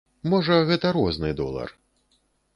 Можа, гэта розны долар.